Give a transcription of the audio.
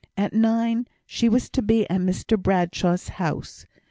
At nine she was to be at Mr Bradshaw's house.